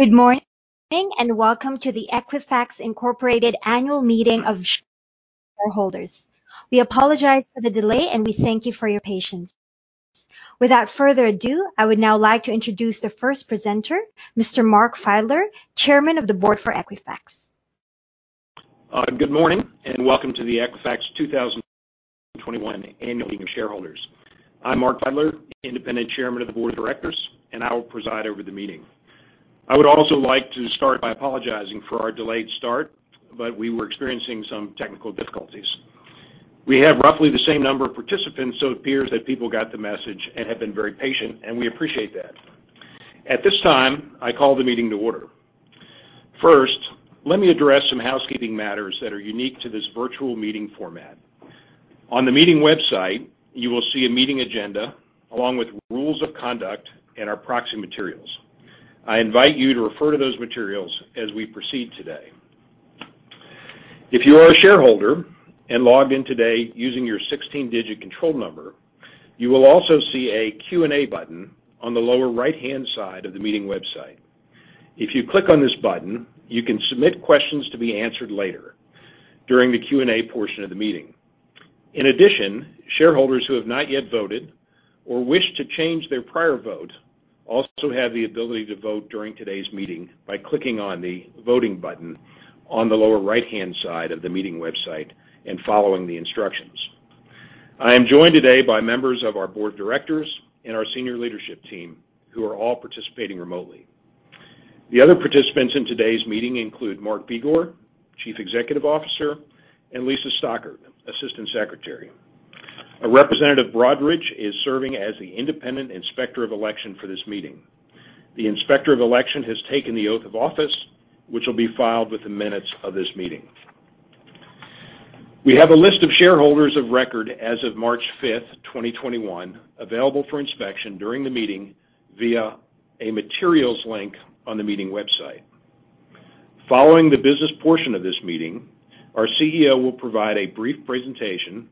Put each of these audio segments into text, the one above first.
Good morning, and welcome to the Equifax Incorporated Annual Meeting of Shareholders. We apologize for the delay, and we thank you for your patience. Without further ado, I would now like to introduce the first presenter, Mr. Mark Feidler, Chairman of the Board for Equifax. Good morning, and welcome to the Equifax 2021 Annual Meeting of Shareholders. I'm Mark Feidler, Independent Chairman of the Board of Directors, and I will preside over the meeting. I would also like to start by apologizing for our delayed start. We were experiencing some technical difficulties. We have roughly the same number of participants. It appears that people got the message and have been very patient, and we appreciate that. At this time, I call the meeting to order. First, let me address some housekeeping matters that are unique to this virtual meeting format. On the meeting website, you will see a meeting agenda along with rules of conduct and our proxy materials. I invite you to refer to those materials as we proceed today. If you are a shareholder and logged in today using your 16-digit control number, you will also see a Q&A button on the lower right-hand side of the meeting website. If you click on this button, you can submit questions to be answered later during the Q&A portion of the meeting. In addition, shareholders who have not yet voted or wish to change their prior vote also have the ability to vote during today's meeting by clicking on the Voting button on the lower right-hand side of the meeting website and following the instructions. I am joined today by members of our board of directors and our senior leadership team who are all participating remotely. The other participants in today's meeting include Mark Begor, Chief Executive Officer, and Lisa Stockard, Assistant Secretary. A representative Broadridge is serving as the Independent Inspector of Election for this meeting. The Inspector of Election has taken the oath of office, which will be filed with the minutes of this meeting. We have a list of shareholders of record as of March 5th, 2021, available for inspection during the meeting via a materials link on the meeting website. Following the business portion of this meeting, our CEO will provide a brief presentation,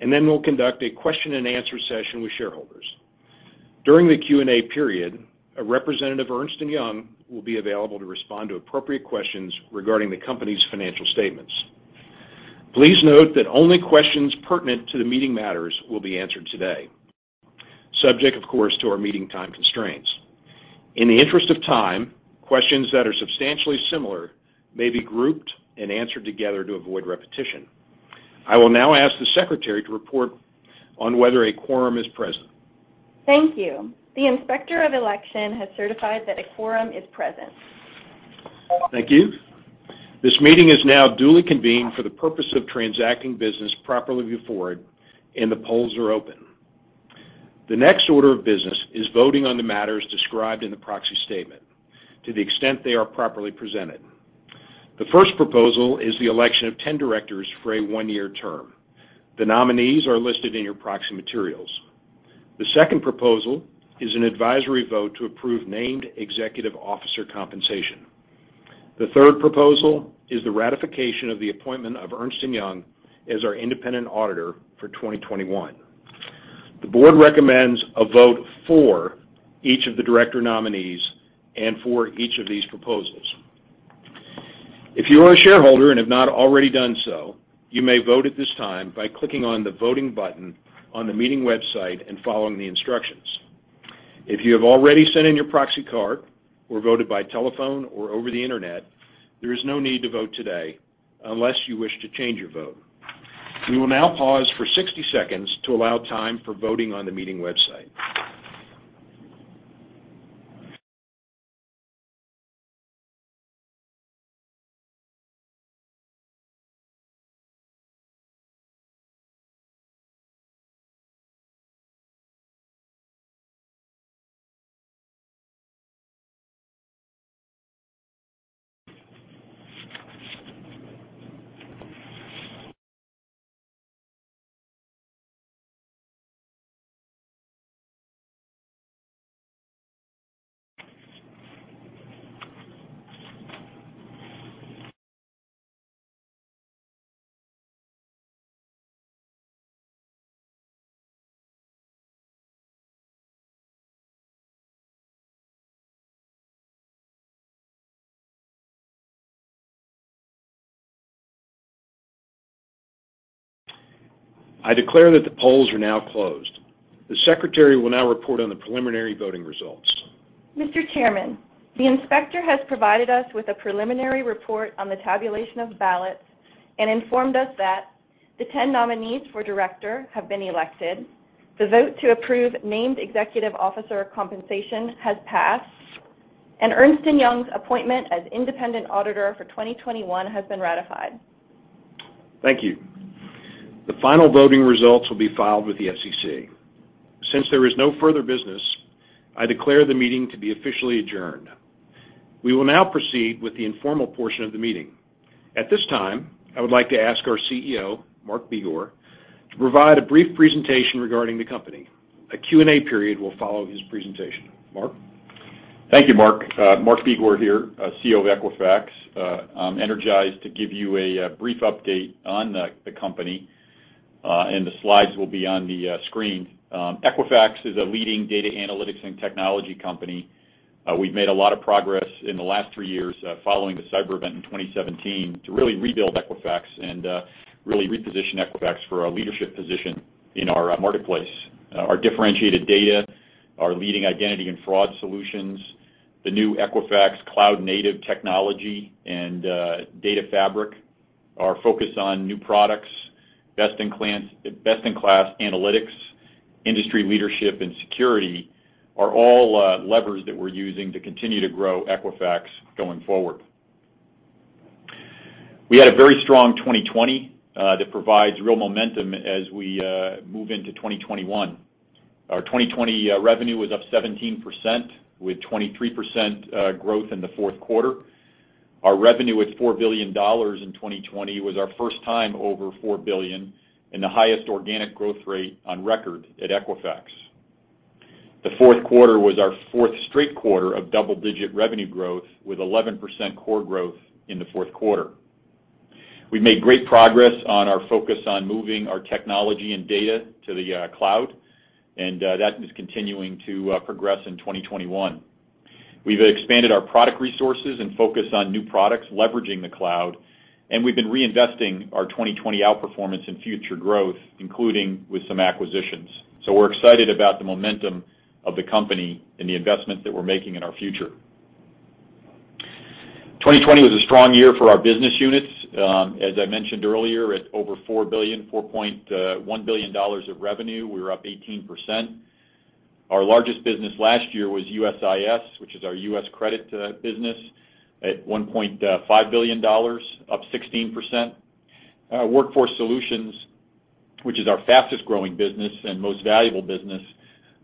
and then we'll conduct a question-and-answer session with shareholders. During the Q&A period, a representative of Ernst & Young will be available to respond to appropriate questions regarding the company's financial statements. Please note that only questions pertinent to the meeting matters will be answered today, subject, of course, to our meeting time constraints. In the interest of time, questions that are substantially similar may be grouped and answered together to avoid repetition. I will now ask the secretary to report on whether a quorum is present. Thank you. The Inspector of Election has certified that a quorum is present. Thank you. This meeting is now duly convened for the purpose of transacting business properly before it, and the polls are open. The next order of business is voting on the matters described in the proxy statement to the extent they are properly presented. The first proposal is the election of 10 directors for a one-year term. The nominees are listed in your proxy materials. The second proposal is an advisory vote to approve named executive officer compensation. The third proposal is the ratification of the appointment of Ernst & Young as our independent auditor for 2021. The board recommends a vote for each of the director nominees and for each of these proposals. If you are a shareholder and have not already done so, you may vote at this time by clicking on the Voting button on the meeting website and following the instructions. If you have already sent in your proxy card or voted by telephone or over the Internet, there is no need to vote today unless you wish to change your vote. We will now pause for 60 seconds to allow time for voting on the meeting website. I declare that the polls are now closed. The secretary will now report on the preliminary voting results. Mr. Chairman, the inspector has provided us with a preliminary report on the tabulation of ballots and informed us that the 10 nominees for director have been elected, the vote to approve named executive officer compensation has passed, and Ernst & Young's appointment as independent auditor for 2021 has been ratified. Thank you. The final voting results will be filed with the SEC. Since there is no further business, I declare the meeting to be officially adjourned. We will now proceed with the informal portion of the meeting. At this time, I would like to ask our CEO, Mark Begor, to provide a brief presentation regarding the company. A Q&A period will follow his presentation. Mark? Thank you, Mark. Mark Begor here, CEO of Equifax. I'm energized to give you a brief update on the company. The slides will be on the screen. Equifax is a leading data analytics and technology company. We've made a lot of progress in the last three years following the cyber event in 2017 to really rebuild Equifax and really reposition Equifax for a leadership position in our marketplace. Our differentiated data, our leading identity and fraud solutions, the new Equifax cloud-native technology and data fabric, our focus on new products, best-in-class analytics, industry leadership, and security are all levers that we're using to continue to grow Equifax going forward. We had a very strong 2020 that provides real momentum as we move into 2021. Our 2020 revenue was up 1%, with 23% growth in the fourth quarter. Our revenue at $4 billion in 2020 was our first time over $4 billion and the highest organic growth rate on record at Equifax. The fourth quarter was our fourth straight quarter of double-digit revenue growth, with 11% core growth in the fourth quarter. We made great progress on our focus on moving our technology and data to the cloud. That is continuing to progress in 2021. We've expanded our product resources and focus on new products leveraging the cloud. We've been reinvesting our 2020 outperformance in future growth, including with some acquisitions. We're excited about the momentum of the company and the investment that we're making in our future. 2020 was a strong year for our business units. As I mentioned earlier, at over $4.1 billion of revenue, we were up 18%. Our largest business last year was U.S. Information Solutions, which is our U.S. credit business, at $1.5 billion, up 16%. Workforce Solutions, which is our fastest-growing business and most valuable business,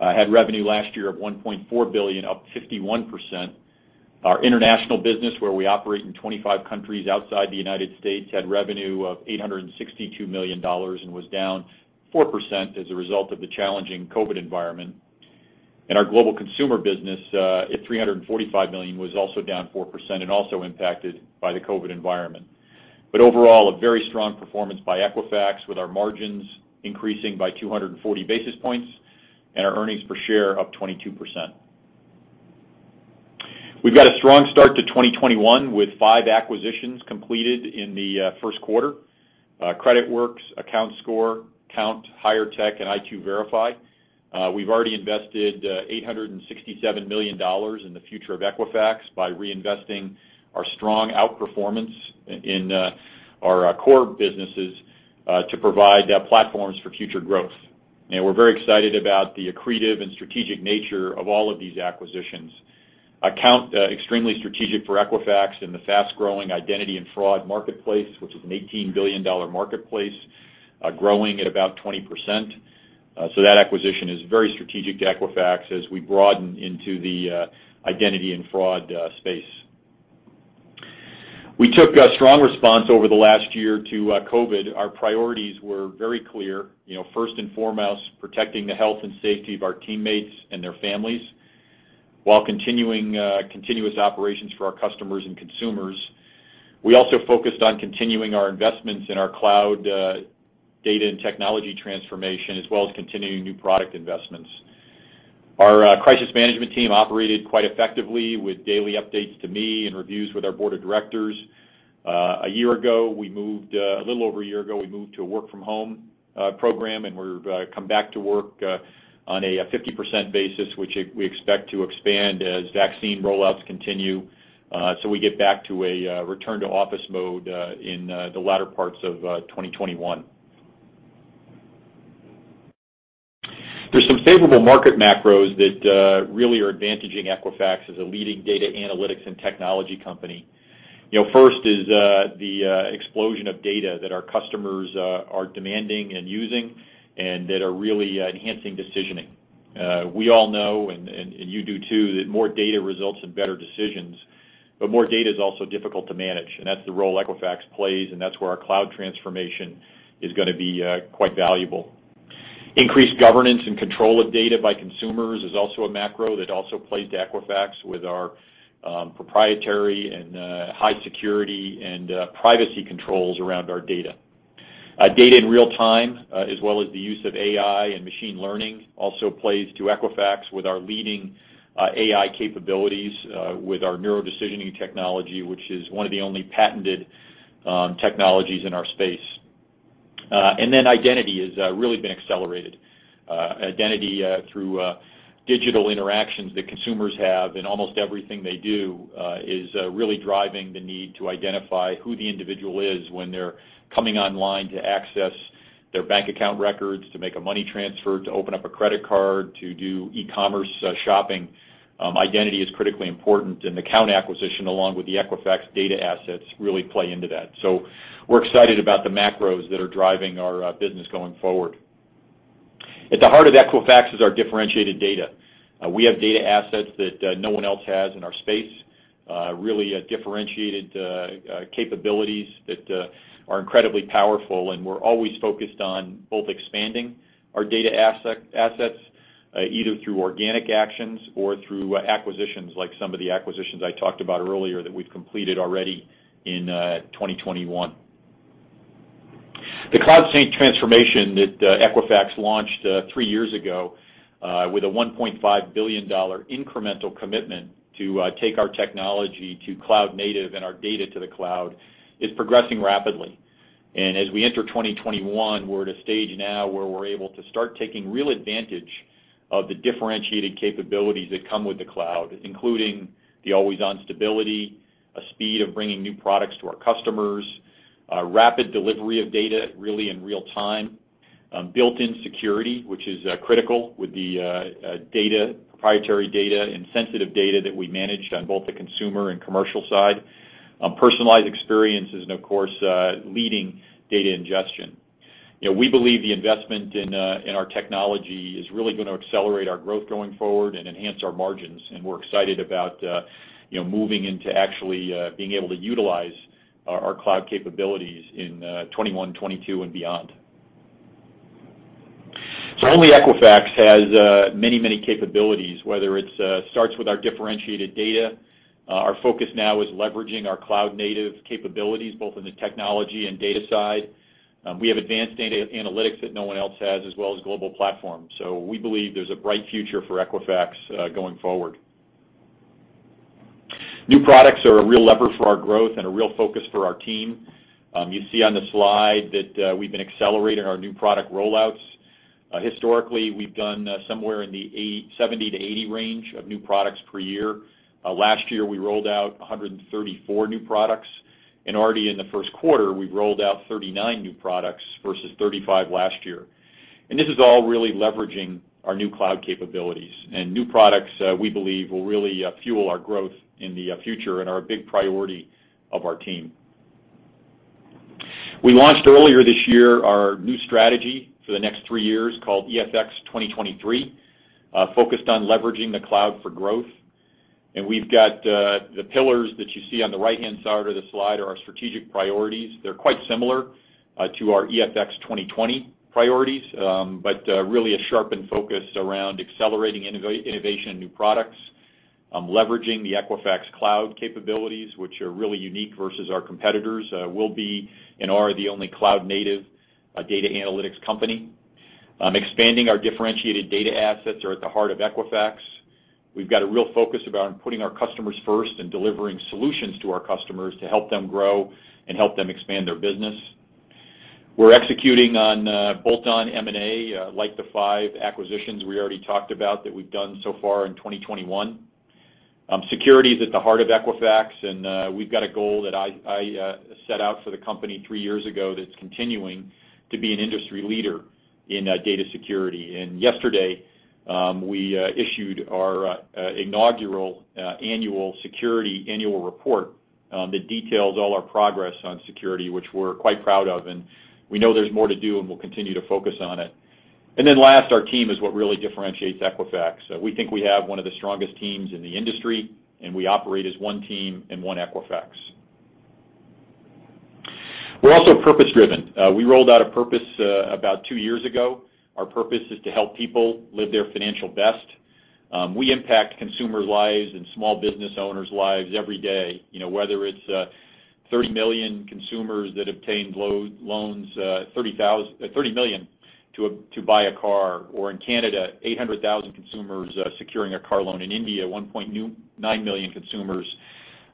had revenue last year of $1.4 billion, up 51%. Our international business, where we operate in 25 countries outside the United States, had revenue of $862 million and was down 4% as a result of the challenging COVID environment. Our global consumer business, at $345 million, was also down 4% and also impacted by the COVID environment. Overall, a very strong performance by Equifax, with our margins increasing by 240 basis points and our earnings per share up 22%. We've got a strong start to 2021, with five acquisitions completed in the first quarter: CreditWorks, AccountScore, Kount, HIREtech, and i2verify. We've already invested $867 million in the future of Equifax by reinvesting our strong outperformance in our core businesses to provide platforms for future growth. We're very excited about the accretive and strategic nature of all of these acquisitions. Kount, extremely strategic for Equifax in the fast-growing identity and fraud marketplace, which is an $18 billion marketplace, growing at about 20%. That acquisition is very strategic to Equifax as we broaden into the identity and fraud space. We took a strong response over the last year to COVID. Our priorities were very clear. First and foremost, protecting the health and safety of our teammates and their families while continuing continuous operations for our customers and consumers. We also focused on continuing our investments in our cloud data and technology transformation, as well as continuing new product investments. Our crisis management team operated quite effectively with daily updates to me and reviews with our board of directors. A little over a year ago, we moved to a work-from-home program, and we've come back to work on a 50% basis, which we expect to expand as vaccine rollouts continue, so we get back to a return-to-office mode in the latter parts of 2021. There's some favorable market macros that really are advantaging Equifax as a leading data analytics and technology company. First is the explosion of data that our customers are demanding and using and that are really enhancing decisioning. We all know, and you do too, that more data results in better decisions. More data is also difficult to manage, and that's the role Equifax plays, and that's where our cloud transformation is going to be quite valuable. Increased governance and control of data by consumers is also a macro that also plays to Equifax with our proprietary and high security and privacy controls around our data. Data in real time as well as the use of AI and machine learning also plays to Equifax with our leading AI capabilities with our NeuroDecision Technology, which is one of the only patented technologies in our space. Identity has really been accelerated. Identity through digital interactions that consumers have in almost everything they do is really driving the need to identify who the individual is when they're coming online to access their bank account records, to make a money transfer, to open up a credit card, to do e-commerce shopping. Identity is critically important, and Account Acquisition, along with the Equifax data assets, really play into that. We're excited about the macros that are driving our business going forward. At the heart of Equifax is our differentiated data. We have data assets that no one else has in our space, really differentiated capabilities that are incredibly powerful, and we're always focused on both expanding our data assets either through organic actions or through acquisitions like some of the acquisitions I talked about earlier that we've completed already in 2021. The cloud transformation that Equifax launched three years ago with a $1.5 billion incremental commitment to take our technology to cloud-native and our data to the cloud is progressing rapidly. As we enter 2021, we're at a stage now where we're able to start taking real advantage of the differentiated capabilities that come with the cloud, including the always-on stability, a speed of bringing new products to our customers, rapid delivery of data really in real time, built-in security, which is critical with the proprietary data and sensitive data that we manage on both the consumer and commercial side, personalized experiences, and of course, leading data ingestion. We believe the investment in our technology is really going to accelerate our growth going forward and enhance our margins. We're excited about moving into actually being able to utilize our cloud capabilities in 2021, 2022, and beyond. Only Equifax has many capabilities, whether it starts with our differentiated data. Our focus now is leveraging our cloud-native capabilities both in the technology and data side. We have advanced data analytics that no one else has, as well as global platforms. We believe there's a bright future for Equifax going forward. New products are a real lever for our growth and a real focus for our team. You see on the slide that we've been accelerating our new product rollouts. Historically, we've done somewhere in the 70 to 80 range of new products per year. Last year, we rolled out 134 new products, and already in the first quarter, we've rolled out 39 new products versus 35 last year. This is all really leveraging our new cloud capabilities. New products we believe will really fuel our growth in the future and are a big priority of our team. We launched earlier this year our new strategy for the next three years called EFX 2023, focused on leveraging the cloud for growth. We've got the pillars that you see on the right-hand side of the slide are our strategic priorities. They're quite similar to our EFX 2020 priorities, but really a sharpened focus around accelerating innovation in new products, leveraging the Equifax cloud capabilities, which are really unique versus our competitors. We'll be, and are the only cloud-native data analytics company. Expanding our differentiated data assets are at the heart of Equifax. We've got a real focus about putting our customers first and delivering solutions to our customers to help them grow and help them expand their business. We're executing on bolt-on M&A like the five acquisitions we already talked about that we've done so far in 2021. Security is at the heart of Equifax, and we've got a goal that I set out for the company three years ago that's continuing to be an industry leader in data security. Yesterday, we issued our inaugural annual security annual report that details all our progress on security, which we're quite proud of, and we know there's more to do, and we'll continue to focus on it. Last, our team is what really differentiates Equifax. We think we have one of the strongest teams in the industry, and we operate as one team and one Equifax. We're also purpose-driven. We rolled out a purpose about two years ago. Our purpose is to help people live their financial best. We impact consumers' lives and small business owners' lives every day, whether it's 30 million consumers that obtained loans, 30 million to buy a car, or in Canada, 800,000 consumers securing a car loan. In India, 1.9 million consumers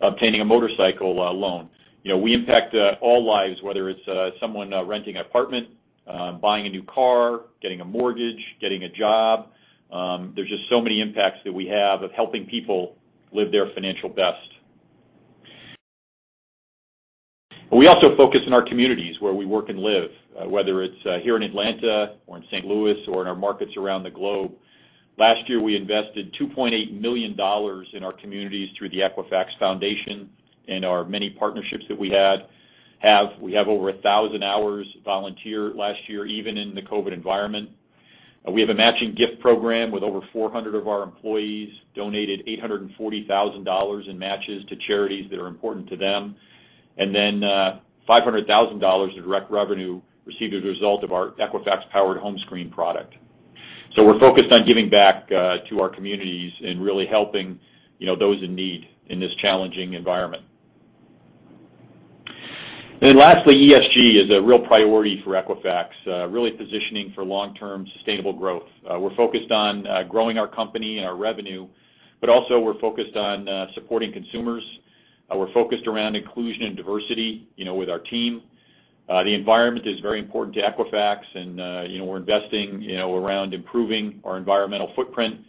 obtaining a motorcycle loan. We impact all lives, whether it's someone renting an apartment, buying a new car, getting a mortgage, getting a job. There's just so many impacts that we have of helping people live their financial best. We also focus on our communities where we work and live, whether it's here in Atlanta or in St. Louis or in our markets around the globe. Last year, we invested $2.8 million in our communities through the Equifax Foundation and our many partnerships that we have. We have over 1,000 hours volunteer last year, even in the COVID environment. We have a matching gift program with over 400 of our employees, donated $840,000 in matches to charities that are important to them. $500,000 of direct revenue received as a result of our Equifax-powered home screen product. We're focused on giving back to our communities and really helping those in need in this challenging environment. Lastly, ESG is a real priority for Equifax, really positioning for long-term sustainable growth. We're focused on growing our company and our revenue, but also, we're focused on supporting consumers. We're focused around inclusion and diversity with our team. The environment is very important to Equifax, and we're investing around improving our environmental footprint.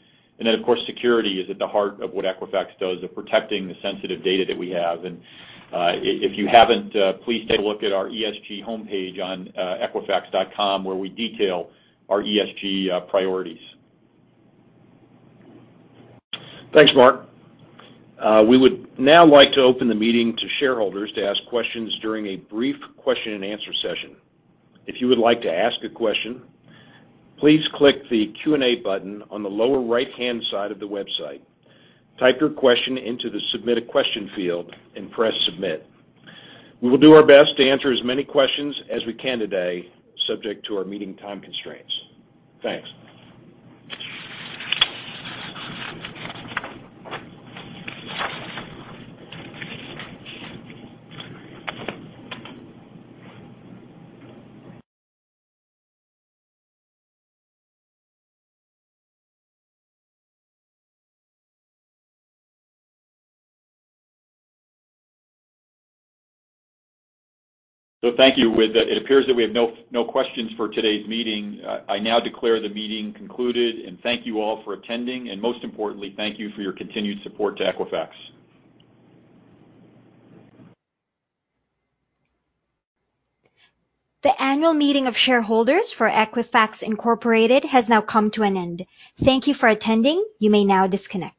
Of course, security is at the heart of what Equifax does of protecting the sensitive data that we have. If you haven't, please take a look at our ESG homepage on equifax.com where we detail our ESG priorities. Thanks, Mark. We would now like to open the meeting to shareholders to ask questions during a brief question-and-answer session. If you would like to ask a question, please click the Q&A button on the lower right-hand side of the website. Type your question into the Submit a Question field and press Submit. We will do our best to answer as many questions as we can today, subject to our meeting time constraints. Thanks. Thank you. It appears that we have no questions for today's meeting. I now declare the meeting concluded, and thank you all for attending, and most importantly, thank you for your continued support to Equifax. The annual meeting of shareholders for Equifax Inc. has now come to an end. Thank you for attending. You may now disconnect.